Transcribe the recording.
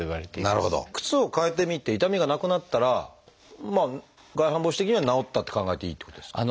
靴を替えてみて痛みがなくなったら外反母趾的には治ったって考えていいっていうことですか？